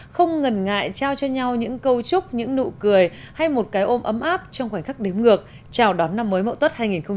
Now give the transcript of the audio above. không ngần ngại trao cho nhau những câu chúc những nụ cười hay một cái ôm ấm áp trong khoảnh khắc đếm ngược chào đón năm mới mậu tất hai nghìn hai mươi